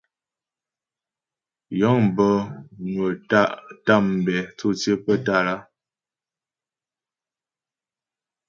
Yə̂ŋ bə́ nwə́ tá’ tambɛ̂ tsô tsyə́ pə́ Tâlá.